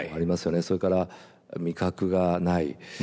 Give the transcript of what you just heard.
それから味覚がない。